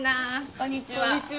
こんにちは。